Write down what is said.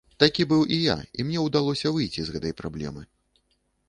Такі быў і я, і мне ўдалося выйсці з гэтай праблемы.